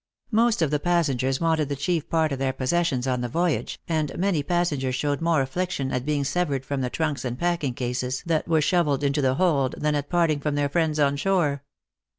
Most of the passengers wanted the chief part of their possessions on the voyage, and many passengers showed more affliction at being severed from the trunks and packing cases that were shovelled into the hold than at parting from their friends on shore.